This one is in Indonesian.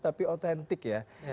tapi otentik ya